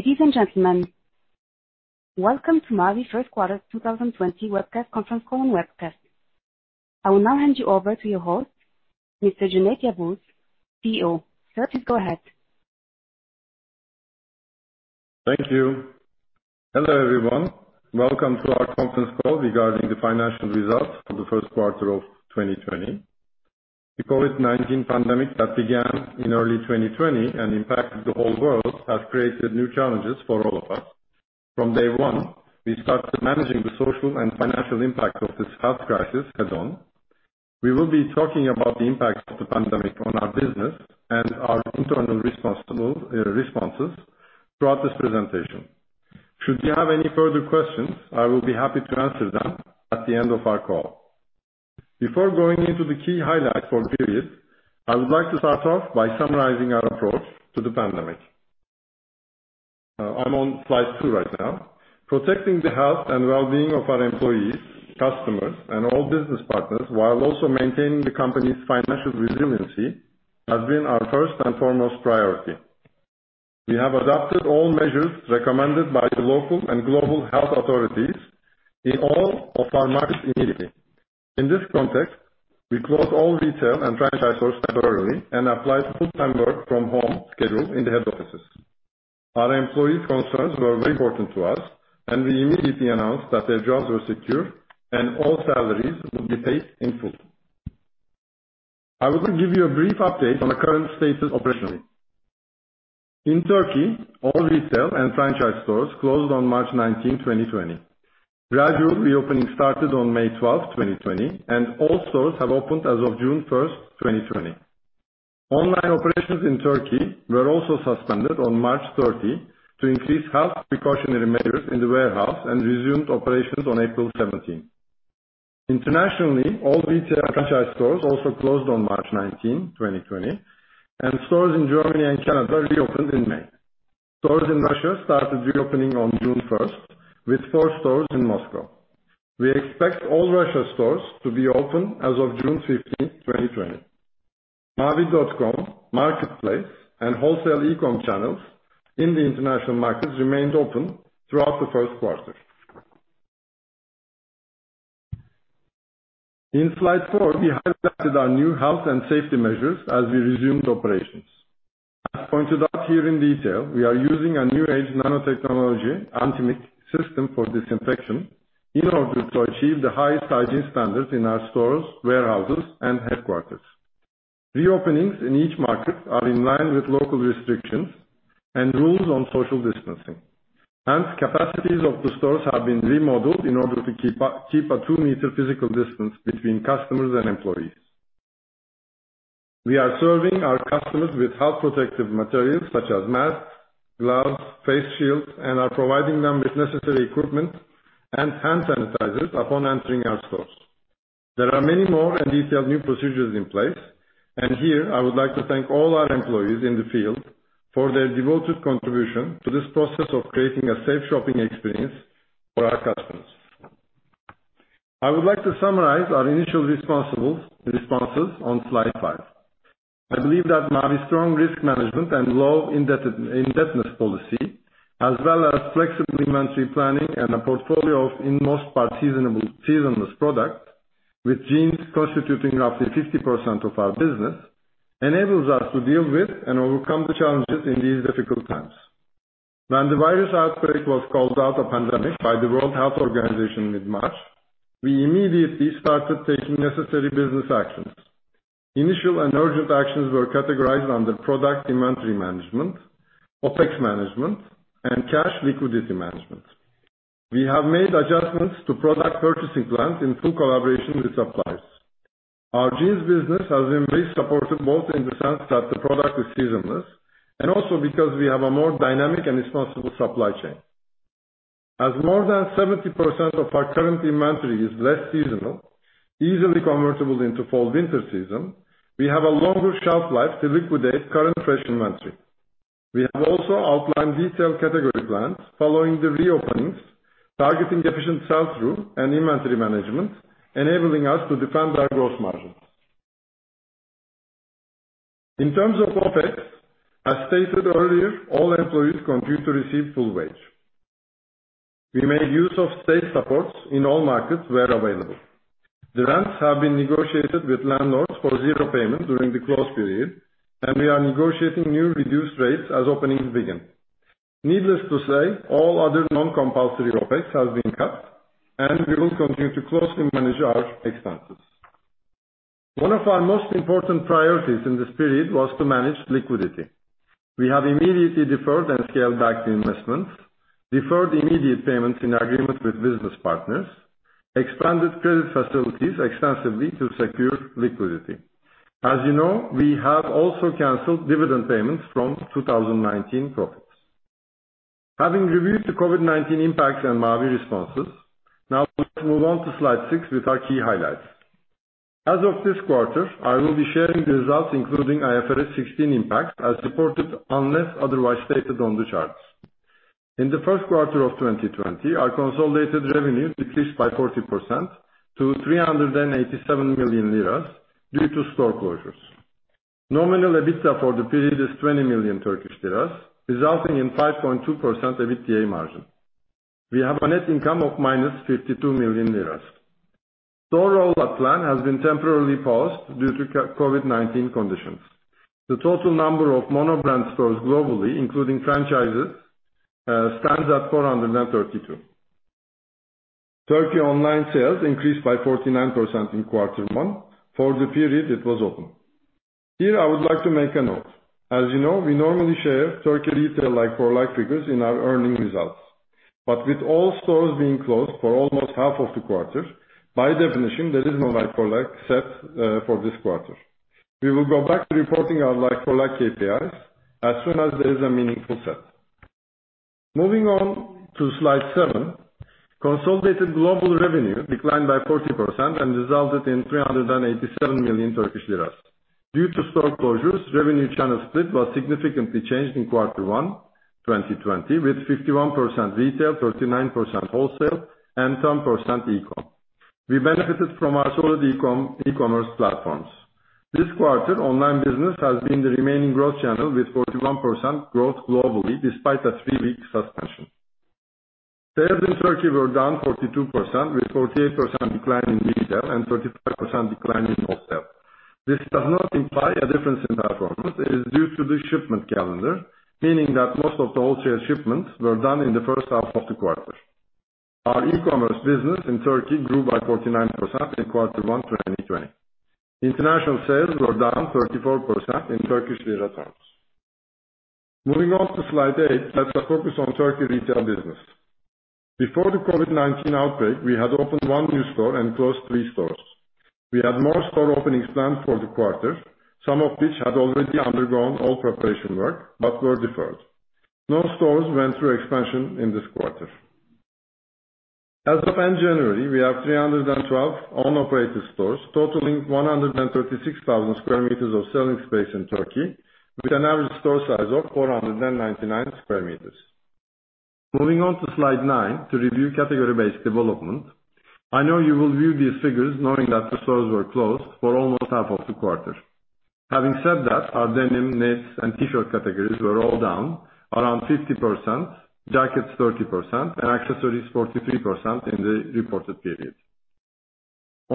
Ladies and gentlemen, welcome to Mavi first quarter 2020 webcast conference call and webcast. I will now hand you over to your host, Mr. Cüneyt Yavuz, CEO. Sir, please go ahead. Thank you. Hello, everyone. Welcome to our conference call regarding the financial results for the first quarter of 2020. The COVID-19 pandemic that began in early 2020 and impacted the whole world has created new challenges for all of us. From day one, we started managing the social and financial impact of this health crisis head-on. We will be talking about the impact of the pandemic on our business and our internal responses throughout this presentation. Should you have any further questions, I will be happy to answer them at the end of our call. Before going into the key highlights for the period, I would like to start off by summarizing our approach to the pandemic. I'm on slide two right now. Protecting the health and well-being of our employees, customers, and all business partners while also maintaining the company's financial resiliency has been our first and foremost priority. We have adopted all measures recommended by the local and global health authorities in all of our markets immediately. In this context, we closed all retail and franchise stores temporarily and applied full-time work from home schedule in the head offices. Our employee concerns were very important to us, and we immediately announced that their jobs were secure, and all salaries would be paid in full. I would like to give you a brief update on the current status operationally. In Turkey, all retail and franchise stores closed on March 19th, 2020. Gradual reopening started on May 12th, 2020, and all stores have opened as of June 1st, 2020. Online operations in Turkey were also suspended on March 30th to increase health precautionary measures in the warehouse and resumed operations on April 17th. Internationally, all retail franchise stores also closed on March 19th, 2020, and stores in Germany and Canada reopened in May. Stores in Russia started reopening on June 1st with four stores in Moscow. We expect all Russia stores to be open as of June 15th, 2020. mavi.com, marketplace, and wholesale e-com channels in the international markets remained open throughout the first quarter. In slide four, we highlighted our new health and safety measures as we resumed operations. As pointed out here in detail, we are using a new age nanotechnology, antimicrobial system for disinfection in order to achieve the highest hygiene standards in our stores, warehouses, and headquarters. Reopenings in each market are in line with local restrictions and rules on social distancing. Hence, capacities of the stores have been remodeled in order to keep a two-meter physical distance between customers and employees. We are serving our customers with health protective materials such as masks, gloves, face shields, and are providing them with necessary equipment and hand sanitizers upon entering our stores. There are many more and detailed new procedures in place. Here I would like to thank all our employees in the field for their devoted contribution to this process of creating a safe shopping experience for our customers. I would like to summarize our initial responses on slide five. I believe that Mavi's strong risk management and low indebtedness policy as well as flexible inventory planning and a portfolio of in most part seasonless product with jeans constituting roughly 50% of our business enables us to deal with and overcome the challenges in these difficult times. When the virus outbreak was called out a pandemic by the World Health Organization mid-March, we immediately started taking necessary business actions. Initial and urgent actions were categorized under product inventory management, OpEx management, and cash liquidity management. We have made adjustments to product purchasing plans in full collaboration with suppliers. Our jeans business has been very supportive, both in the sense that the product is seasonless and also because we have a more dynamic and responsible supply chain. As more than 70% of our current inventory is less seasonal, easily convertible into fall/winter season, we have a longer shelf life to liquidate current fresh inventory. We have also outlined detailed category plans following the reopenings targeting efficient sell-through and inventory management, enabling us to defend our gross margins. In terms of OpEx, as stated earlier, all employees continue to receive full wage. We made use of state supports in all markets where available. The rents have been negotiated with landlords for zero payment during the closed period, and we are negotiating new reduced rates as openings begin. Needless to say, all other non-compulsory OpEx has been cut, and we will continue to closely manage our expenses. One of our most important priorities in this period was to manage liquidity. We have immediately deferred and scaled back the investments, deferred immediate payments in agreement with business partners, expanded credit facilities extensively to secure liquidity. As you know, we have also canceled dividend payments from 2019 profits. Having reviewed the COVID-19 impacts and Mavi responses, now let's move on to slide six with our key highlights. As of this quarter, I will be sharing the results, including IFRS 16 impact, as supported unless otherwise stated on the charts. In the first quarter of 2020, our consolidated revenue decreased by 40% to 387 million lira due to store closures. Nominal EBITDA for the period is 20 million Turkish lira, resulting in 5.2% EBITDA margin. We have a net income of minus 52 million lira. Store rollout plan has been temporarily paused due to COVID-19 conditions. The total number of mono brand stores globally, including franchises, stands at 432. Turkey online sales increased by 49% in quarter one for the period it was open. Here, I would like to make a note. As you know, we normally share Turkey retail like-for-like figures in our earning results. With all stores being closed for almost half of the quarter, by definition, there is no like-for-like set for this quarter. We will go back to reporting our like-for-like KPIs as soon as there is a meaningful set. Moving on to slide seven. Consolidated global revenue declined by 40% and resulted in 387 million Turkish lira. Due to store closures, revenue channel split was significantly changed in quarter one 2020, with 51% retail, 39% wholesale, and 10% e-com. We benefited from our solid e-commerce platforms. This quarter, online business has been the remaining growth channel, with 41% growth globally despite a three-week suspension. Sales in Turkey were down 42%, with 48% decline in retail and 35% decline in wholesale. This does not imply a difference in performance. It is due to the shipment calendar, meaning that most of the wholesale shipments were done in the first half of the quarter. Our e-commerce business in Turkey grew by 49% in quarter one 2020. International sales were down 34% in TRY terms. Moving on to slide eight, let's focus on Turkey retail business. Before the COVID-19 outbreak, we had opened one new store and closed three stores. We had more store openings planned for the quarter, some of which had already undergone all preparation work but were deferred. No stores went through expansion in this quarter. As of end January, we have 312 own operated stores totaling 136,000 square meters of selling space in Turkey, with an average store size of 499 square meters. Moving on to slide nine to review category-based development. I know you will view these figures knowing that the stores were closed for almost half of the quarter. Having said that, our denim, knits, and T-shirt categories were all down around 50%, jackets 30%, and accessories 43% in the reported period.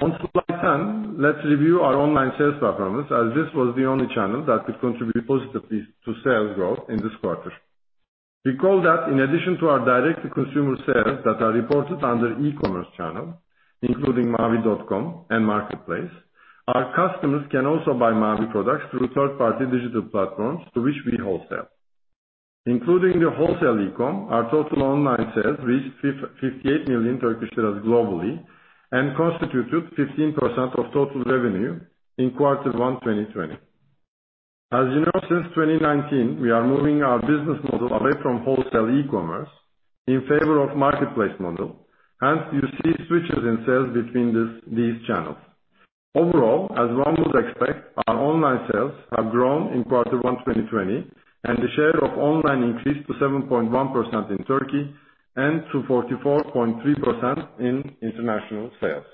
On slide 10, let's review our online sales performance, as this was the only channel that could contribute positively to sales growth in this quarter. Recall that in addition to our direct-to-consumer sales that are reported under e-commerce channel, including mavi.com and marketplace, our customers can also buy Mavi products through third-party digital platforms to which we wholesale. Including the wholesale e-com, our total online sales reached 58 million Turkish lira globally and constituted 15% of total revenue in Q1 2020. As you know, since 2019, we are moving our business model away from wholesale e-commerce in favor of marketplace model. Hence, you see switches in sales between these channels. Overall, as one would expect, our online sales have grown in Q1 2020, and the share of online increased to 7.1% in Turkey and to 44.3% in international sales.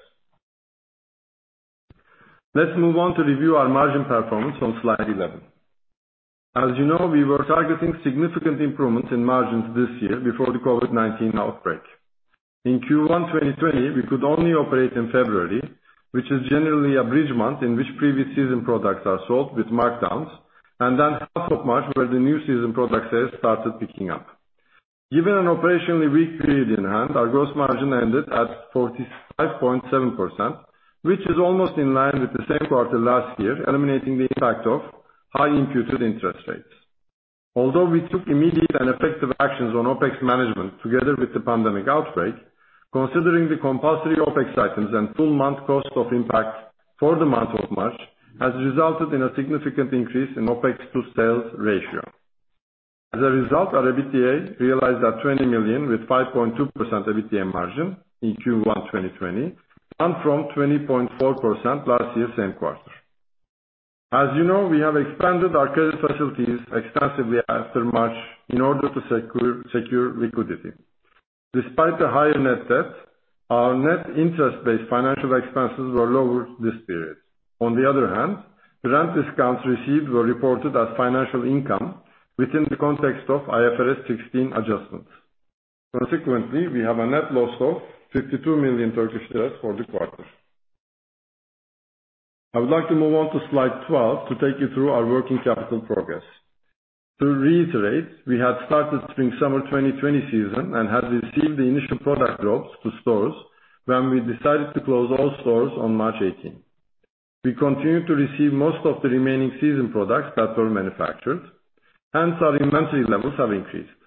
Let's move on to review our margin performance on slide 11. As you know, we were targeting significant improvements in margins this year before the COVID-19 outbreak. In Q1 2020, we could only operate in February, which is generally a bridge month in which previous season products are sold with markdowns, and then half of March, where the new season product sales started picking up. Given an operationally weak period in hand, our gross margin ended at 45.7%, which is almost in line with the same quarter last year, eliminating the impact of high imputed interest rates. Although we took immediate and effective actions on OpEx management together with the pandemic outbreak. Considering the compulsory OpEx items and full month cost of impact for the month of March, has resulted in a significant increase in OpEx to sales ratio. As a result, our EBITDA realized at 20 million with 5.2% EBITDA margin in Q1 2020, down from 20.4% last year same quarter. As you know, we have expanded our credit facilities extensively after March in order to secure liquidity. Despite the higher net debt, our net interest-based financial expenses were lower this period. On the other hand, rent discounts received were reported as financial income within the context of IFRS 16 adjustments. Consequently, we have a net loss of TRY 52 million for the quarter. I would like to move on to slide 12 to take you through our working capital progress. To reiterate, we had started spring-summer 2020 season and had received the initial product drops to stores when we decided to close all stores on March 18th. We continued to receive most of the remaining season products that were manufactured, hence our inventory levels have increased.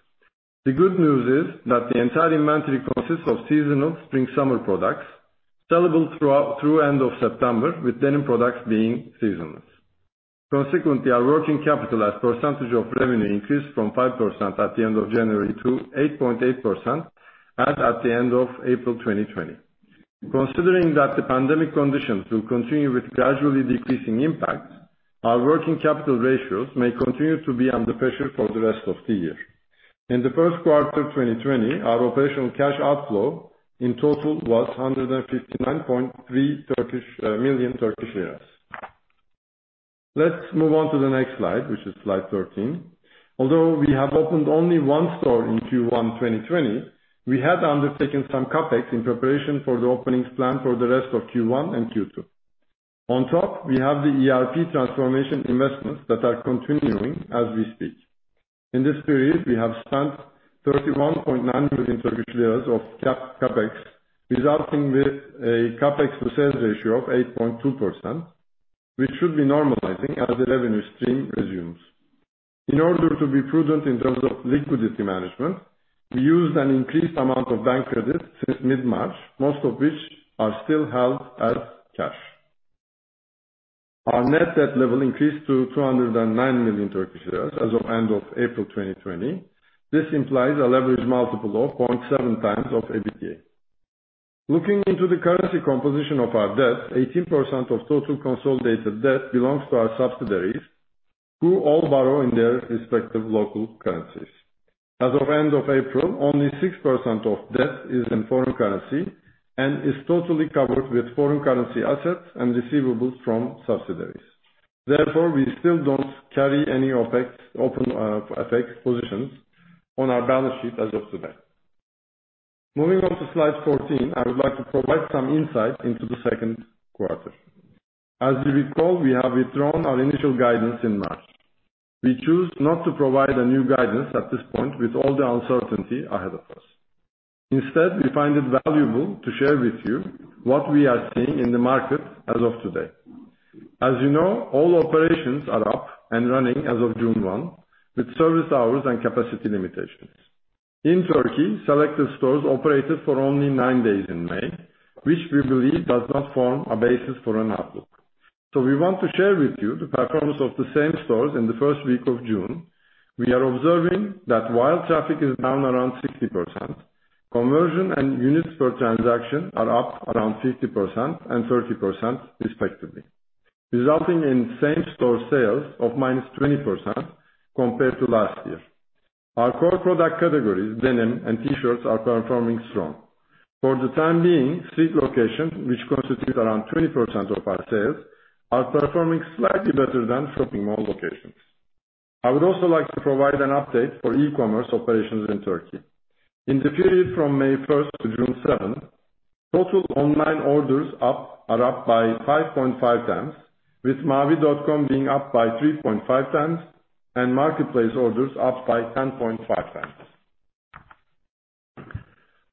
The good news is that the entire inventory consists of seasonal spring-summer products sellable through end of September, with denim products being seasonless. Consequently, our working capital as percentage of revenue increased from 5% at the end of January to 8.8% as at the end of April 2020. Considering that the pandemic conditions will continue with gradually decreasing impact, our working capital ratios may continue to be under pressure for the rest of the year. In the first quarter of 2020, our operational cash outflow in total was 159.3 million Turkish lira. Let's move on to the next slide, which is slide 13. Although we have opened only one store in Q1 2020, we had undertaken some CapEx in preparation for the openings planned for the rest of Q1 and Q2. On top, we have the ERP transformation investments that are continuing as we speak. In this period, we have spent 31.9 million Turkish lira of CapEx, resulting with a CapEx to sales ratio of 8.2%, which should be normalizing as the revenue stream resumes. In order to be prudent in terms of liquidity management, we used an increased amount of bank credit since mid-March, most of which are still held as cash. Our net debt level increased to 209 million Turkish lira as of end of April 2020. This implies a leverage multiple of 0.7 times of EBITDA. Looking into the currency composition of our debt, 18% of total consolidated debt belongs to our subsidiaries, who all borrow in their respective local currencies. As of end of April, only 6% of debt is in foreign currency and is totally covered with foreign currency assets and receivables from subsidiaries. Therefore, we still don't carry any open FX positions on our balance sheet as of today. Moving on to slide 14, I would like to provide some insight into the second quarter. As you recall, we have withdrawn our initial guidance in March. We choose not to provide a new guidance at this point with all the uncertainty ahead of us. Instead, we find it valuable to share with you what we are seeing in the market as of today. As you know, all operations are up and running as of June 1st, with service hours and capacity limitations. In Turkey, selected stores operated for only nine days in May, which we believe does not form a basis for an outlook. We want to share with you the performance of the same stores in the first week of June. We are observing that while traffic is down around 60%, conversion and units per transaction are up around 50% and 30% respectively, resulting in same-store sales of -20% compared to last year. Our core product categories, denim and T-shirts, are performing strong. For the time being, street locations, which constitute around 20% of our sales, are performing slightly better than shopping mall locations. I would also like to provide an update for e-commerce operations in Turkey. In the period from May 1st to June 7th, total online orders are up by 5.5 times, with mavi.com being up by 3.5 times, and marketplace orders up by 10.5 times.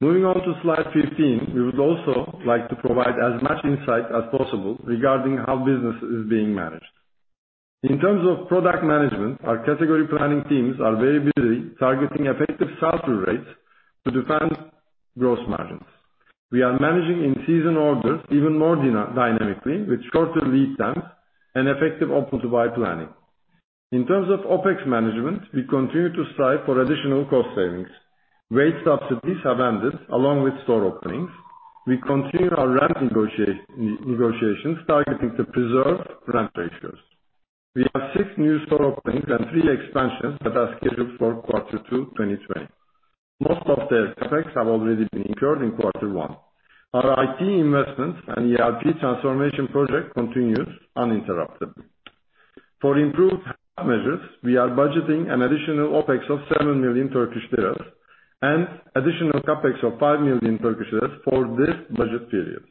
Moving on to slide 15, we would also like to provide as much insight as possible regarding how business is being managed. In terms of product management, our category planning teams are very busy targeting effective sell-through rates to defend gross margins. We are managing in-season orders even more dynamically with shorter lead times and effective open-to-buy planning. In terms of OpEx management, we continue to strive for additional cost savings. Wage subsidies have ended along with store openings. We continue our rent negotiations targeting to preserve rent ratios. We have six new store openings and three expansions that are scheduled for quarter two 2020. Most of their CapEx have already been incurred in quarter one. Our IT investments and ERP transformation project continues uninterrupted. For improved measures, we are budgeting an additional OpEx of 7 million Turkish lira and additional CapEx of 5 million Turkish lira for this budget period.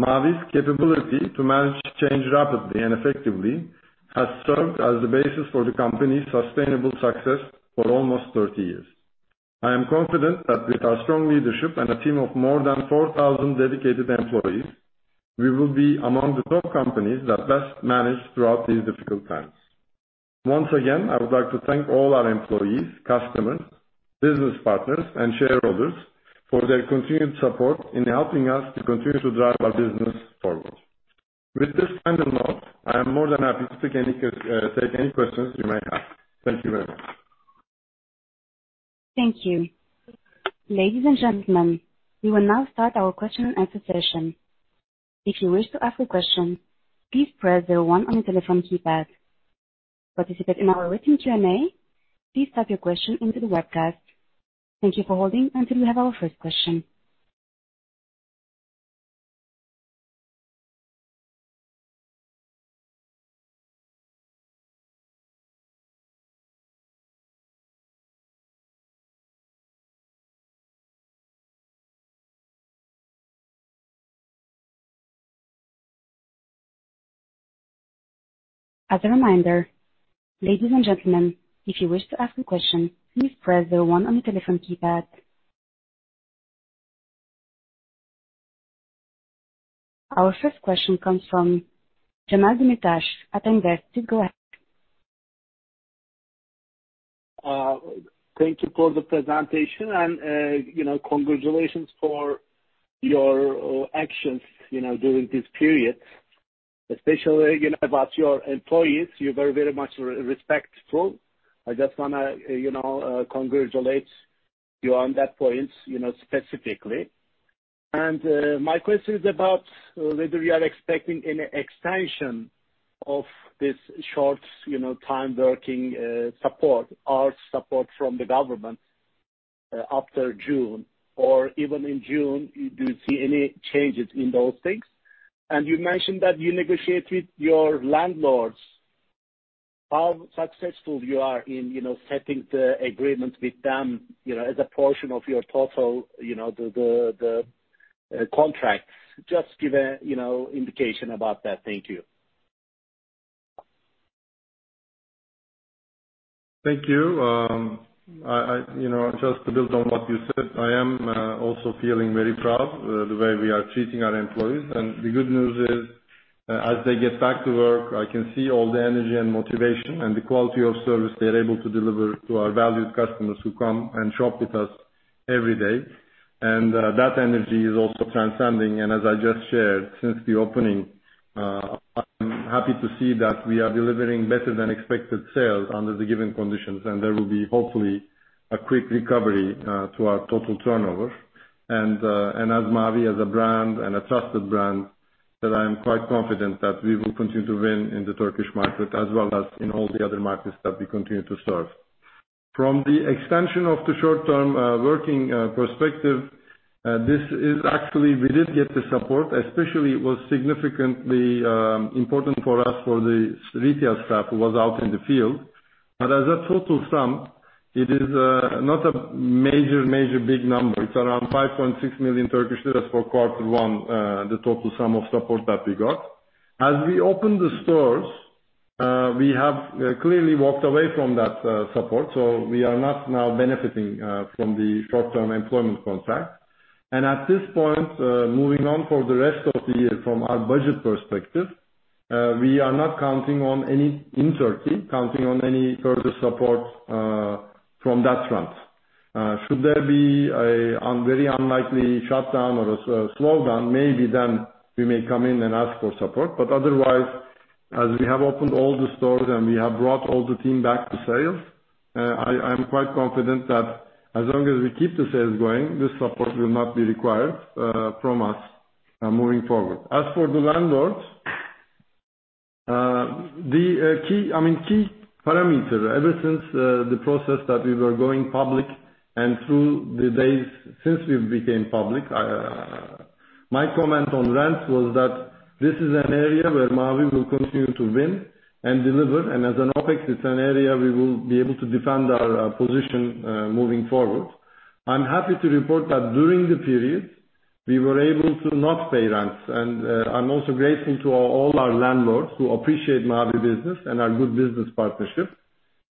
Mavi's capability to manage change rapidly and effectively has served as the basis for the company's sustainable success for almost 30 years. I am confident that with our strong leadership and a team of more than 4,000 dedicated employees, we will be among the top companies that best manage throughout these difficult times. Once again, I would like to thank all our employees, customers, business partners, and shareholders for their continued support in helping us to continue to drive our business forward. With this final note, I am more than happy to take any questions you might have. Thank you very much. Thank you. Ladies and gentlemen, we will now start our question and answer session. If you wish to ask a question, please press zero one on your telephone keypad. To participate in our written Q&A, please type your question into the webcast. Thank you for holding until we have our first question. As a reminder, ladies and gentlemen, if you wish to ask a question, please press the one on your telephone keypad. Our first question comes from Cemal Demirtaş at InvestAZ. Thank you for the presentation and congratulations for your actions during this period. Especially about your employees, you're very much respectful. I just want to congratulate you on that point specifically. My question is about whether we are expecting any extension of this short time working support or support from the government after June, or even in June. Do you see any changes in those things? You mentioned that you negotiated with your landlords. How successful you are in setting the agreement with them as a portion of your total, the contracts? Just give an indication about that. Thank you. Thank you. Just to build on what you said, I am also feeling very proud the way we are treating our employees. The good news is, as they get back to work, I can see all the energy and motivation and the quality of service they're able to deliver to our valued customers who come and shop with us every day. That energy is also transcending. As I just shared, since the opening, I'm happy to see that we are delivering better than expected sales under the given conditions, and there will be hopefully a quick recovery to our total turnover. As Mavi, as a brand and a trusted brand, that I am quite confident that we will continue to win in the Turkish market as well as in all the other markets that we continue to serve. From the extension of the short-term working perspective, we did get the support, especially it was significantly important for us for the retail staff who was out in the field. As a total sum, it is not a major big number. It's around 5.6 million Turkish lira for quarter one, the total sum of support that we got. As we open the stores, we have clearly walked away from that support. We are not now benefiting from the short-term employment contract. At this point, moving on for the rest of the year from our budget perspective, we are not counting on any uncertainty, counting on any further support from that front. Should there be a very unlikely shutdown or a slowdown, maybe then we may come in and ask for support. Otherwise, as we have opened all the stores and we have brought all the team back to sales, I'm quite confident that as long as we keep the sales going, this support will not be required from us moving forward. As for the landlords, key parameter, ever since the process that we were going public and through the days since we became public, my comment on rent was that this is an area where Mavi will continue to win and deliver. As an OpEx, it's an area we will be able to defend our position moving forward. I'm happy to report that during the period, we were able to not pay rents. I'm also grateful to all our landlords who appreciate Mavi business and our good business partnership,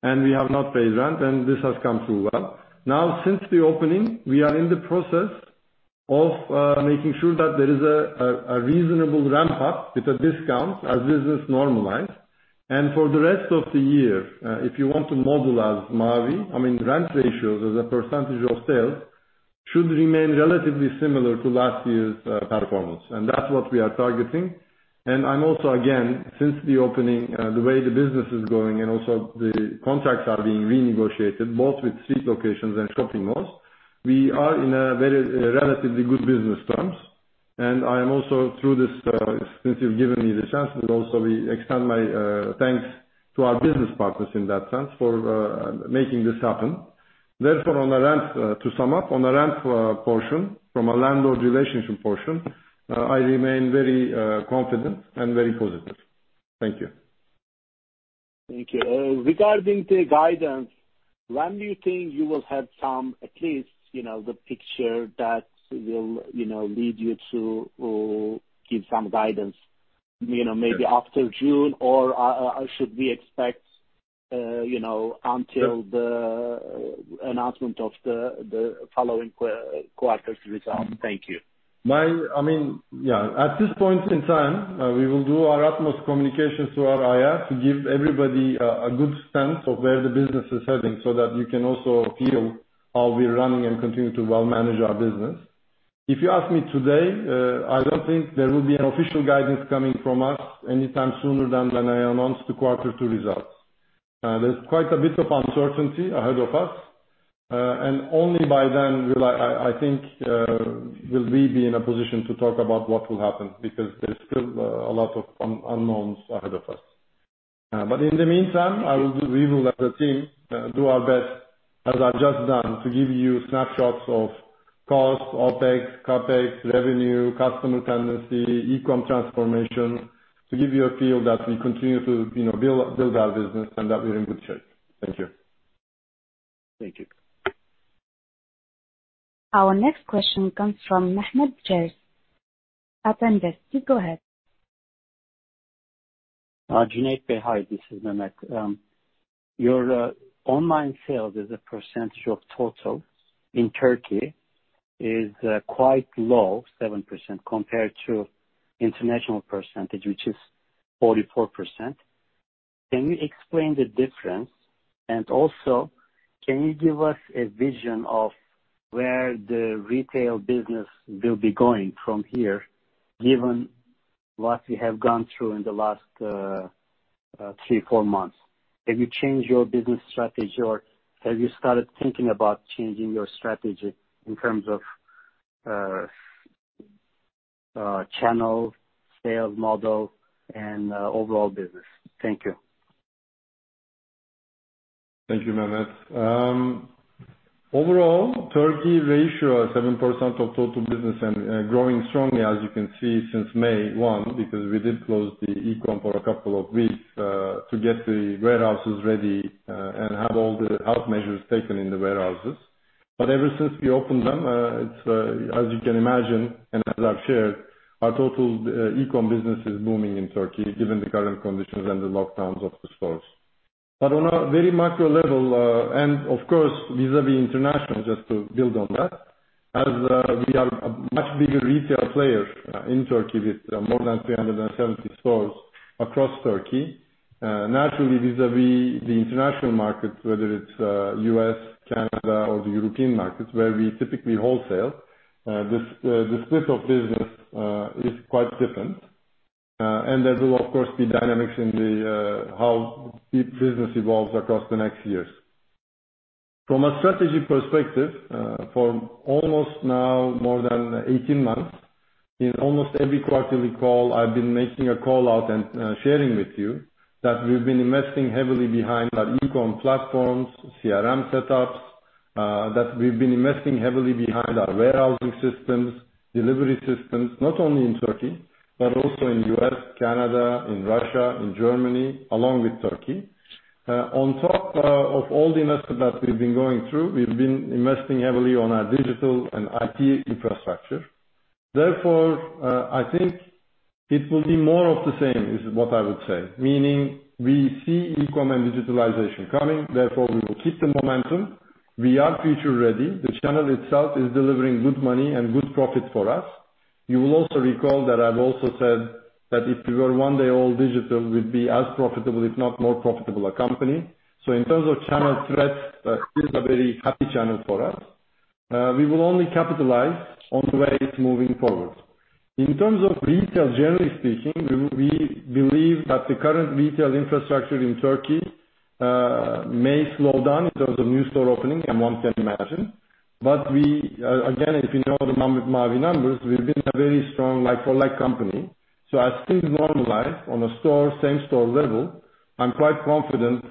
and we have not paid rent, and this has come through well. Now, since the opening, we are in the process of making sure that there is a reasonable ramp up with a discount as business normalize. For the rest of the year, if you want to model as Mavi, rent ratios as a percentage of sales should remain relatively similar to last year's performance. That's what we are targeting. I'm also, again, since the opening, the way the business is going and also the contracts are being renegotiated both with street locations and shopping malls, we are in a very relatively good business terms. I am also through this, since you've given me the chance, but also we extend my thanks to our business partners in that sense for making this happen. Therefore, to sum up, on the ramp portion, from a landlord relationship portion, I remain very confident and very positive. Thank you. Thank you. Regarding the guidance, when do you think you will have some, at least the picture that will lead you to give some guidance? Maybe after June or should we expect until the announcement of the following quarter's result? Thank you. At this point in time, we will do our utmost communications through our IR to give everybody a good sense of where the business is heading so that you can also feel how we're running and continue to well manage our business. If you ask me today, I don't think there will be an official guidance coming from us anytime sooner than when I announce the quarter two results. There's quite a bit of uncertainty ahead of us. Only by then will we be in a position to talk about what will happen, because there's still a lot of unknowns ahead of us. In the meantime, we will, as a team, do our best, as I've just done, to give you snapshots of cost, OpEx, CapEx, revenue, customer tendency, e-com transformation, to give you a feel that we continue to build our business and that we're in good shape. Thank you. Thank you. Our next question comes from Mehmet. Attend guest, please go ahead. Cüneyt Bey, hi. This is Mehmet. Your online sales as a percentage of total in Turkey is quite low, 7%, compared to international percentage, which is 44%. Can you explain the difference? Can you give us a vision of where the retail business will be going from here, given what you have gone through in the last three, four months. Have you changed your business strategy or have you started thinking about changing your strategy in terms of channel sales model and overall business? Thank you. Thank you, Mehmet. Overall, Turkey ratio is 7% of total business and growing strongly, as you can see since May 1st, because we did close the e-com for a couple of weeks, to get the warehouses ready and have all the health measures taken in the warehouses. Ever since we opened them, as you can imagine and as I've shared, our total e-com business is booming in Turkey given the current conditions and the lockdowns of the stores. On a very micro level, and of course vis-à-vis international, just to build on that, as we are a much bigger retail player in Turkey with more than 370 stores across Turkey. Naturally vis-à-vis the international markets, whether it's U.S., Canada, or the European markets where we typically wholesale, the split of business is quite different. There will of course be dynamics in how the business evolves across the next years. From a strategy perspective, for almost now more than 18 months, in almost every quarterly call I've been making a call out and sharing with you that we've been investing heavily behind our e-com platforms, CRM setups, that we've been investing heavily behind our warehousing systems, delivery systems, not only in Turkey, but also in U.S., Canada, in Russia, in Germany, along with Turkey. On top of all the investment that we've been going through, we've been investing heavily on our digital and IT infrastructure. I think it will be more of the same, is what I would say. Meaning we see e-com and digitalization coming, we will keep the momentum. We are future ready. The channel itself is delivering good money and good profit for us. You will also recall that I've also said that if we were one day all digital, we'd be as profitable, if not more profitable a company. In terms of channel threat, it's a very happy channel for us. We will only capitalize on the way it's moving forward. In terms of retail generally speaking, we believe that the current retail infrastructure in Turkey may slow down in terms of new store opening, and one can imagine. We, again, if you know the Mavi numbers, we've been a very strong like-for-like company. As things normalize on a store, same store level, I'm quite confident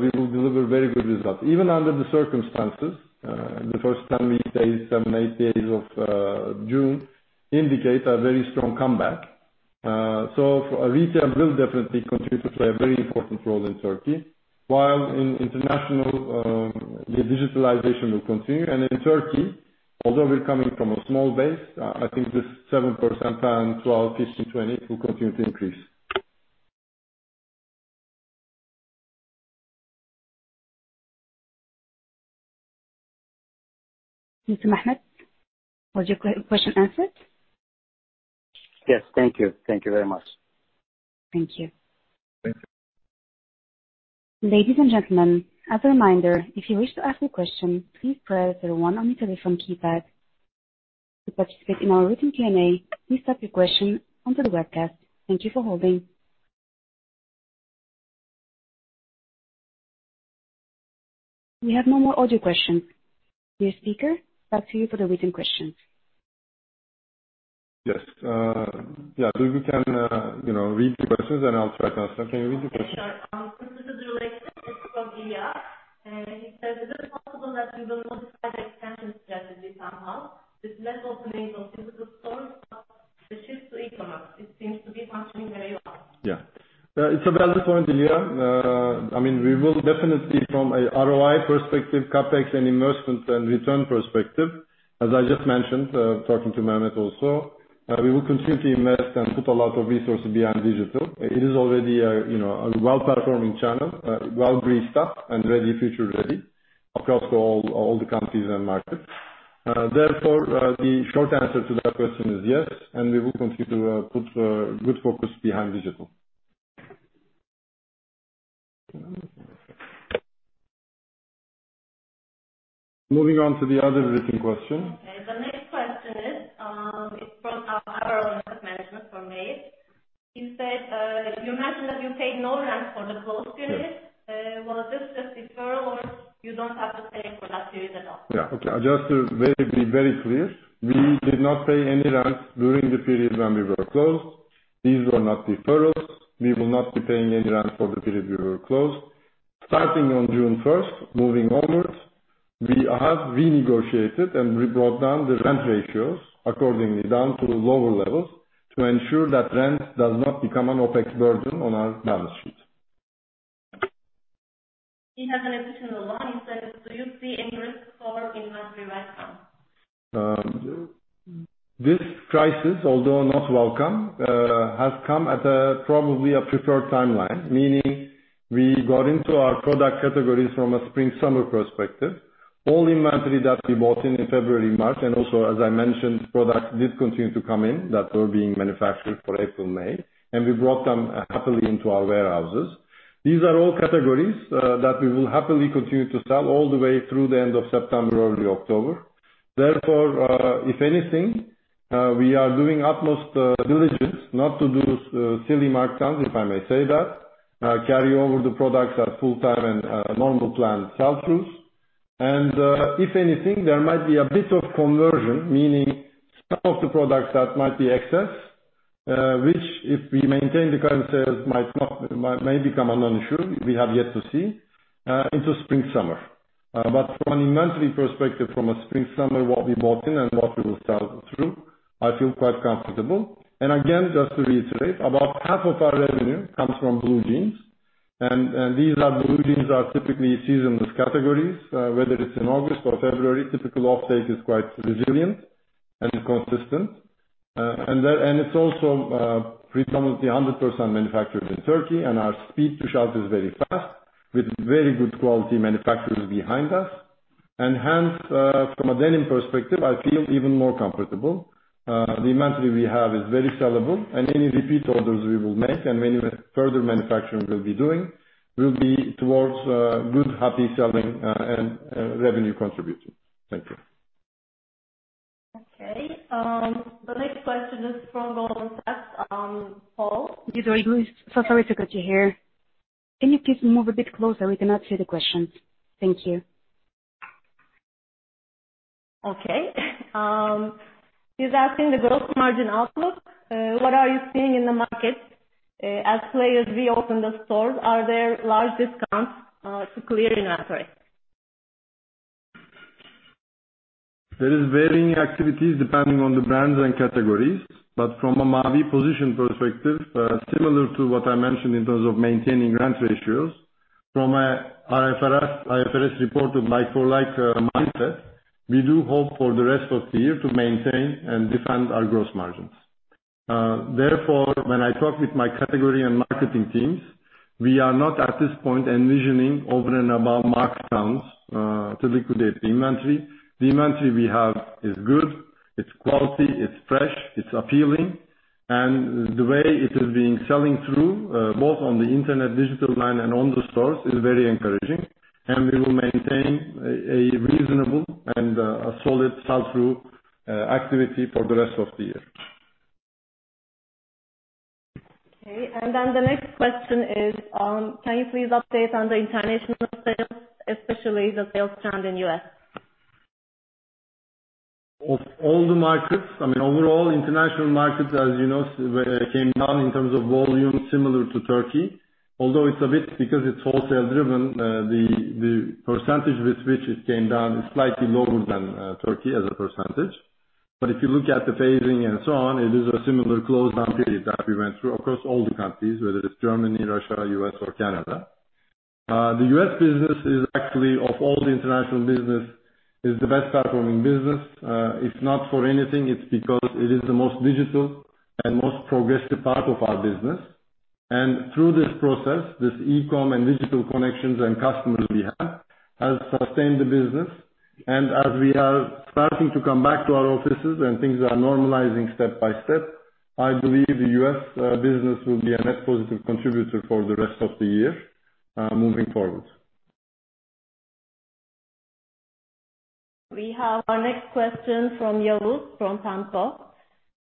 we will deliver very good results. Even under the circumstances, the first seven, eight days of June indicates a very strong comeback. Retail will definitely contribute to a very important role in Turkey, while in international, the digitalization will continue. In Turkey, although we're coming from a small base, I think this 7% times 12, 15, 20 will continue to increase. Mr. Mehmet, was your question answered? Yes. Thank you. Thank you very much. Thank you. Thank you. Ladies and gentlemen, as a reminder, if you wish to ask a question, please press 01 on your telephone keypad. To participate in our written Q&A, please type your question onto the webcast. Thank you for holding. We have no more audio questions. Dear speaker, back to you for the written questions. Yes. Yeah, we can read the questions and I'll try to answer them. Can you read the question? Sure. This is related. It's from Ilya. He says, "Is it possible that you will modify the expansion strategy somehow with less opening of physical stores but the shift to e-commerce? It seems to be functioning very well. Yeah. It's a valid point, Ilya. We will definitely from a ROI perspective, CapEx and investment and return perspective, as I just mentioned, talking to Mehmet also, we will continue to invest and put a lot of resources behind digital. It is already a well-performing channel, well greased up and ready, future ready, across all the countries and markets. The short answer to that question is yes, and we will continue to put good focus behind digital. Moving on to the other written question. Okay. The next question is from our asset management firm, Mae. She said, "You mentioned that you paid no rent for the closed period. Yeah. Was this just deferral or you don't have to pay for that period at all? Yeah. Okay. Just to be very clear, we did not pay any rent during the period when we were closed. These were not deferrals. We will not be paying any rent for the period we were closed. Starting on June first, moving onwards, we have renegotiated and we brought down the rent ratios accordingly down to lower levels to ensure that rent does not become an OpEx burden on our balance sheet. She has an additional one. She says, "Do you see any risk for inventory right now? This crisis, although not welcome, has come at probably a preferred timeline. Meaning we got into our product categories from a spring, summer perspective, all inventory that we bought in in February, March, and also as I mentioned, products did continue to come in that were being manufactured for April, May, and we brought them happily into our warehouses. These are all categories that we will happily continue to sell all the way through the end of September, early October. Therefore, if anything, we are doing utmost diligence not to do silly markdowns, if I may say that. Carry over the products at full time and normal plan sell-throughs. If anything, there might be a bit of conversion, meaning some of the products that might be excess, which if we maintain the current sales might become a non-issue, we have yet to see, into spring-summer. From an inventory perspective, from a spring-summer, what we bought in and what we will sell through, I feel quite comfortable. Again, just to reiterate, about half of our revenue comes from blue jeans. These are blue jeans are typically seasonless categories. Whether it's in August or February, typical offtake is quite resilient and consistent. It's also pretty much 100% manufactured in Turkey. Our speed to shelf is very fast, with very good quality manufacturers behind us. Hence, from a denim perspective, I feel even more comfortable. The inventory we have is very sellable, and any repeat orders we will make and many further manufacturing will be doing, will be towards good, happy selling and revenue contribution. Thank you. Okay. The next question is from Goldman Sachs. Paul? Sorry to cut you here. Can you please move a bit closer? We cannot hear the questions. Thank you. Okay. He is asking the gross margin outlook. What are you seeing in the market? As players reopen the stores, are there large discounts to clear inventory? There is varying activities depending on the brands and categories. From a Mavi position perspective, similar to what I mentioned in terms of maintaining rent ratios, from a IFRS 16 like-for-like mindset, we do hope for the rest of the year to maintain and defend our gross margins. Therefore, when I talk with my category and marketing teams, we are not at this point envisioning over and above markdowns to liquidate the inventory. The inventory we have is good, it's quality, it's fresh, it's appealing, and the way it is being selling through, both on the internet digital line and on the stores, is very encouraging. And we will maintain a reasonable and a solid sell-through activity for the rest of the year. Okay. The next question is, can you please update on the international sales, especially the sales trend in U.S.? Of all the markets, I mean, overall, international markets, as you know, came down in terms of volume similar to Turkey, although it's a bit because it's wholesale driven, the percentage with which it came down is slightly lower than Turkey as a percentage. If you look at the phasing and so on, it is a similar close down period that we went through across all the countries, whether it's Germany, Russia, U.S., or Canada. The U.S. business is actually of all the international business, is the best performing business. If not for anything, it's because it is the most digital and most progressive part of our business. Through this process, this e-com and digital connections and customers we have, has sustained the business. As we are starting to come back to our offices and things are normalizing step by step, I believe the U.S. business will be a net positive contributor for the rest of the year moving forward. We have our next question from Yavuz from Tantor.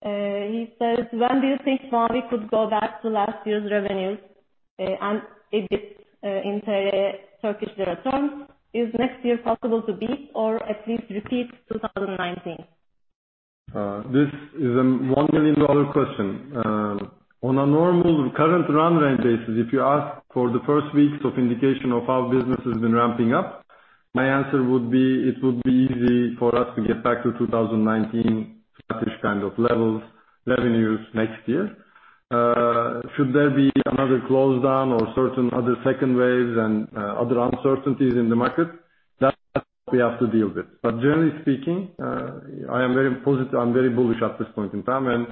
He says, "When do you think Mavi could go back to last year's revenues?" A bit into Turkish lira terms, is next year possible to beat or at least repeat 2019? This is a $1 million question. On a normal current run rate basis, if you ask for the first weeks of indication of how business has been ramping up, my answer would be, it would be easy for us to get back to 2019 Turkish kind of levels revenues next year. Should there be another close down or certain other second waves and other uncertainties in the market, that's what we have to deal with. Generally speaking, I'm very bullish at this point in time.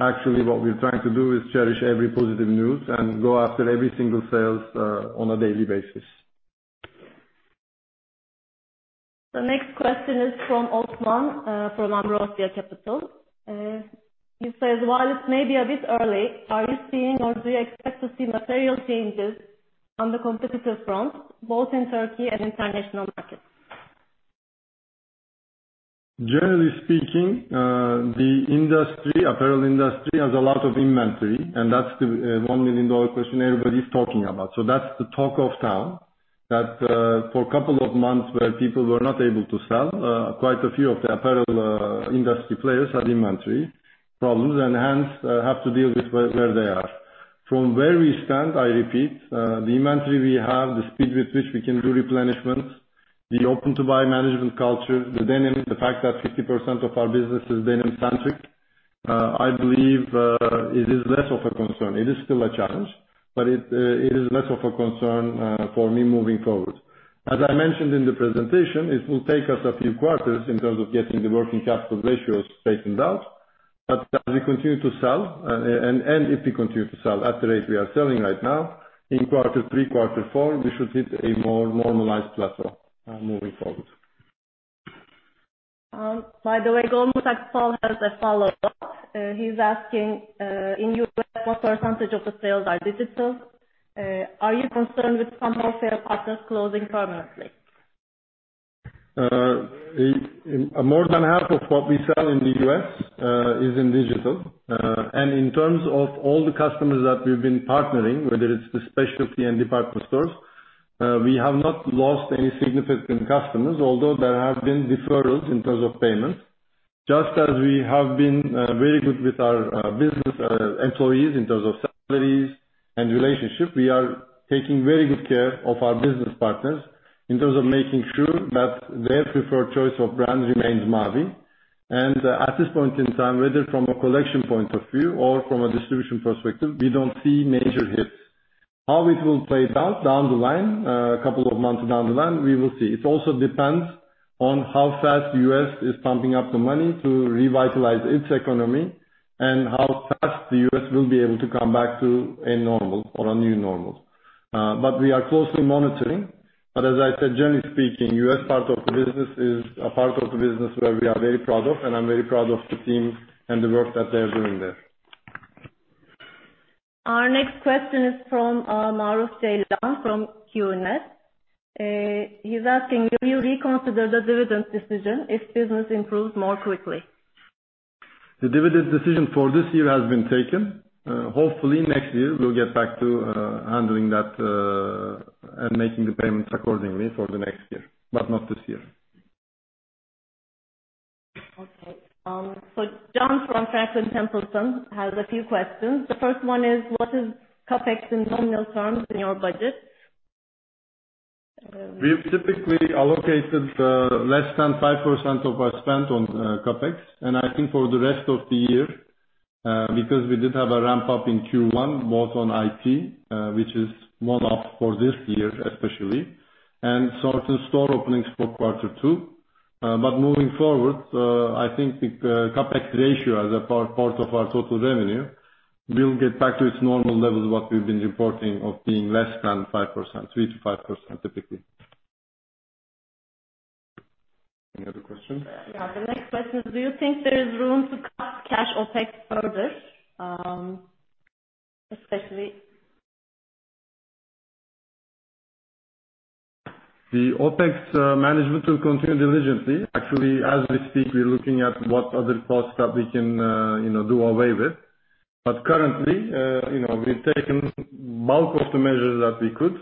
Actually what we're trying to do is cherish every positive news and go after every single sale on a daily basis. The next question is from Osman from Ambrosia Capital. He says, "While it may be a bit early, are you seeing or do you expect to see material changes on the competitor front, both in Turkey and international markets? Generally speaking, the apparel industry has a lot of inventory. That's the $1 million question everybody's talking about. That's the talk of town, that for a couple of months where people were not able to sell, quite a few of the apparel industry players have inventory problems and hence, have to deal with where they are. From where we stand, I repeat, the inventory we have, the speed with which we can do replenishment, the open-to-buy management culture, the denim, the fact that 50% of our business is denim-centric, I believe, it is less of a concern. It is still a challenge. It is less of a concern for me moving forward. As I mentioned in the presentation, it will take us a few quarters in terms of getting the working capital ratios straightened out. As we continue to sell and if we continue to sell at the rate we are selling right now, in quarter three, quarter four, we should hit a more normalized plateau moving forward. Goldman Sachs, Paul, has a follow-up. He's asking, in the U.S., what % of the sales are digital? Are you concerned with some wholesale partners closing permanently? More than half of what we sell in the U.S. is in digital. In terms of all the customers that we've been partnering, whether it's the specialty and department stores, we have not lost any significant customers. Although there have been deferrals in terms of payments. Just as we have been very good with our business employees in terms of salaries and relationship, we are taking very good care of our business partners in terms of making sure that their preferred choice of brand remains Mavi. At this point in time, whether from a collection point of view or from a distribution perspective, we don't see major hits. How it will play out down the line, a couple of months down the line, we will see. It also depends on how fast the U.S. is pumping up the money to revitalize its economy and how fast the U.S. will be able to come back to a normal or a new normal. We are closely monitoring. As I said, generally speaking, U.S. part of the business is a part of the business where we are very proud of, and I'm very proud of the team and the work that they're doing there. Our next question is from Murat Ceylan from QNB. He's asking, will you reconsider the dividend decision if business improves more quickly? The dividend decision for this year has been taken. Hopefully next year we'll get back to handling that, and making the payments accordingly for the next year, but not this year. Okay. John from Franklin Templeton has a few questions. The first one is, what is CapEx in nominal terms in your budget? We've typically allocated less than 5% of our spend on CapEx, and I think for the rest of the year, because we did have a ramp-up in Q1, both on IT, which is one-off for this year especially, and certain store openings for quarter 2. Moving forward, I think the CapEx ratio as a part of our total revenue will get back to its normal levels, what we've been reporting of being less than 5%, 3%-5% typically. Any other question? Yeah. The next question is, do you think there is room to cut cash OpEx further, especially? The OpEx management will continue diligently. Actually, as we speak, we are looking at what other costs that we can do away with. Currently, we've taken bulk of the measures that we could.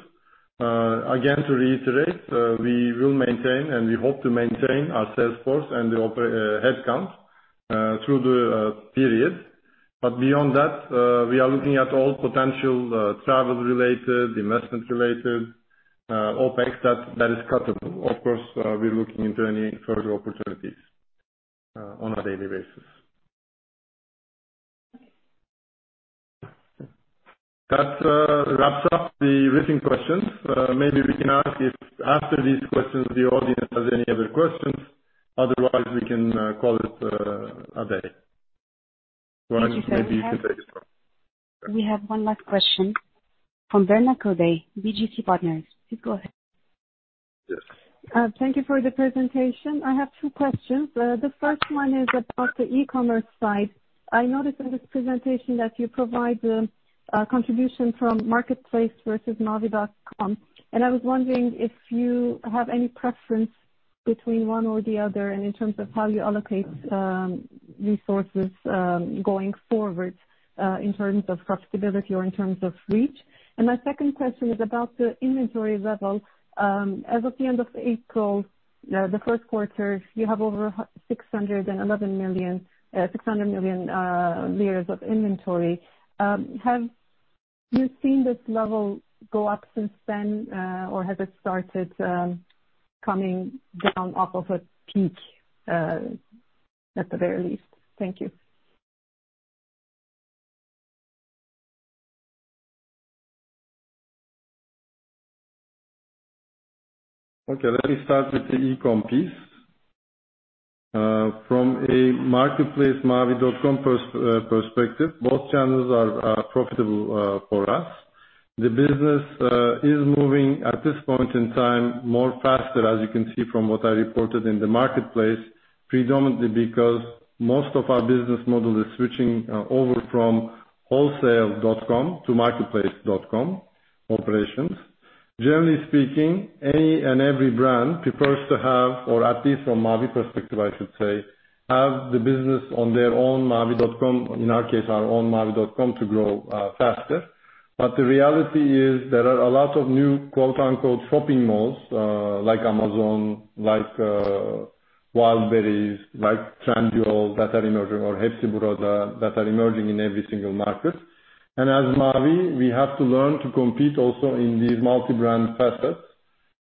Again, to reiterate, we will maintain and we hope to maintain our sales force and the headcount through the period. Beyond that, we are looking at all potential travel-related, investment-related OpEx that is cuttable. Of course, we're looking into any further opportunities on a daily basis. Okay. That wraps up the written questions. We can ask if after these questions, the audience has any other questions. We can call it a day. Maybe you can take it from here. We have one last question from Berna Kurbay, BGC Partners. Please go ahead. Yes. Thank you for the presentation. I have two questions. The first one is about the e-commerce side. I noticed in this presentation that you provide the contribution from Marketplace versus mavi.com. I was wondering if you have any preference between one or the other in terms of how you allocate resources going forward, in terms of profitability or in terms of reach. My second question is about the inventory level. As of the end of April, the first quarter, you have over 611 million, 600 million of inventory. Have you seen this level go up since then? Has it started coming down off of a peak, at the very least? Thank you. Okay. Let me start with the e-commerce piece. From a marketplace mavi.com perspective, both channels are profitable for us. The business is moving at this point in time faster, as you can see from what I reported in the marketplace, predominantly because most of our business model is switching over from wholesale.com to marketplace.com operations. Generally speaking, any and every brand prefers to have, or at least from Mavi perspective, I should say, have the business on their own mavi.com, in our case, our own mavi.com to grow faster. The reality is there are a lot of new "shopping malls" like Amazon, like Wildberries, like Trendyol that are emerging or Hepsiburada that are emerging in every single market. As Mavi, we have to learn to compete also in these multi-brand facets.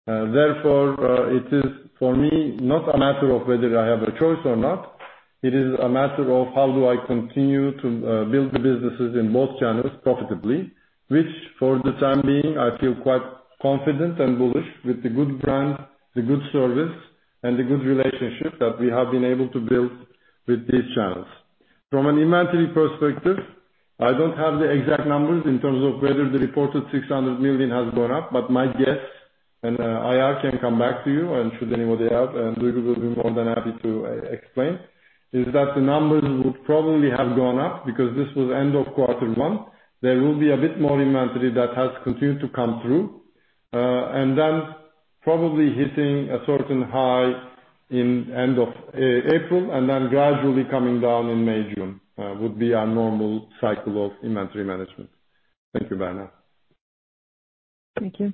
Therefore, it is for me not a matter of whether I have a choice or not. It is a matter of how do I continue to build the businesses in both channels profitably, which for the time being, I feel quite confident and bullish with the good brand, the good service, and the good relationship that we have been able to build with these channels. From an inventory perspective, I don't have the exact numbers in terms of whether the reported 600 million has gone up, but my guess, and IR can come back to you and should anybody have, and we will be more than happy to explain, is that the numbers would probably have gone up because this was end of quarter one. There will be a bit more inventory that has continued to come through. Probably hitting a certain high in end of April and then gradually coming down in May, June, would be our normal cycle of inventory management. Thank you, Berna. Thank you.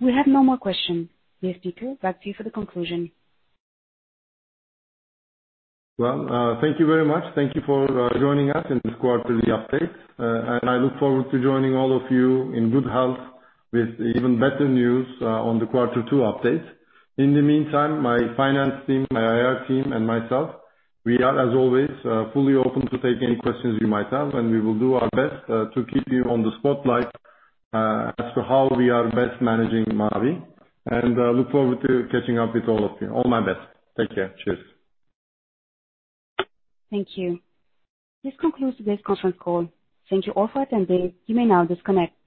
We have no more questions. Yes, Duygu, back to you for the conclusion. Well, thank you very much. Thank you for joining us in this quarterly update. I look forward to joining all of you in good health with even better news on the quarter two update. In the meantime, my finance team, my IR team, and myself, we are as always fully open to take any questions you might have, and we will do our best to keep you on the spotlight as to how we are best managing Mavi. I look forward to catching up with all of you. All my best. Take care. Cheers. Thank you. This concludes today's conference call. Thank you all for attending. You may now disconnect.